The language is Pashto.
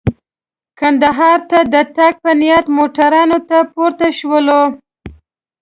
کندهار ته د تګ په نیت موټرانو ته پورته شولو.